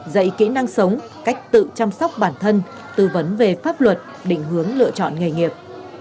dạy kỹ năng sống cách tự chăm sóc bản thân tư vấn về pháp luật định hướng lựa chọn nghề nghiệp